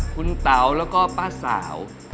คุณเต๋าแล้วก็ป้าสาว